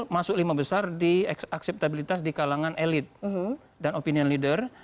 masuk lima besar di akseptabilitas di kalangan elit dan opinion leader